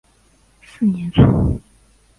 四年卒。